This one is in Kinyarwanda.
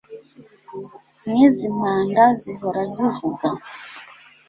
mw'izi mpanda zihora zivuga